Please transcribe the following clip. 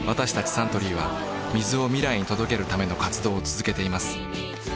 サントリーは水を未来に届けるための活動を続けています